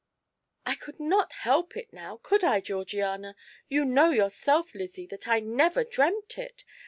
"I could not help it, now, could I, Georgiana? You know yourself, Lizzie, that I never dreamt it.